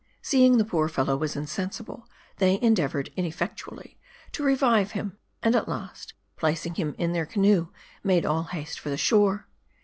Seeing the poor fellow was insensible, they endeavored, ineffectually, to revive him ; and at last, placing him in their canoe, made all haste for the shore.